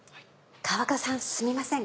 川畑さんすみません